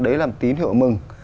đấy làm tín hiệu mừng